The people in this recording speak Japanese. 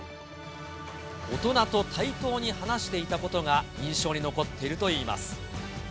大人と対等に話していたことが印象に残っているといいます。